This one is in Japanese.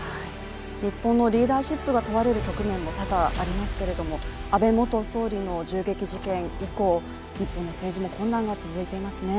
日本のリーダーシップが問われる局面も多々ありますけれども、安倍元総理の銃撃事件以降、日本の政治も混乱が続いていますね。